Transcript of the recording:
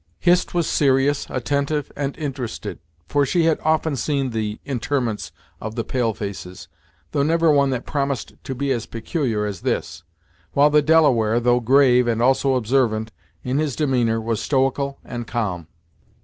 Hist was serious, attentive and interested, for she had often seen the interments of the pale faces, though never one that promised to be as peculiar as this; while the Delaware, though grave, and also observant, in his demeanor was stoical and calm.